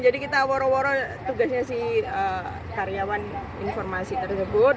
jadi kita waro woro tugasnya si karyawan informasi tersebut